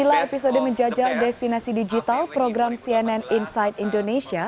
inilah episode menjajal destinasi digital program cnn inside indonesia